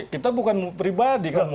kita bukan pribadi kan